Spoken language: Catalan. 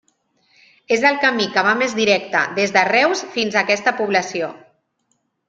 És el camí que va més directe des de Reus fins a aquesta població.